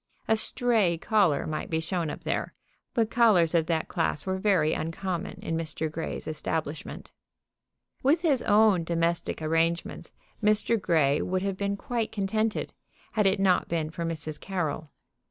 A "stray" caller might be shown up there, but callers of that class were very uncommon in Mr. Grey's establishment. With his own domestic arrangements Mr. Grey would have been quite contented, had it not been for Mrs. Carroll.